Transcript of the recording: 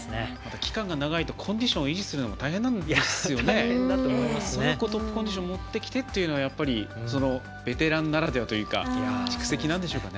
期間が長いとコンディションを維持するのが大変なのでそこにコンディションを持ってきてというのはやっぱり、ベテランならではというか蓄積なんでしょうかね。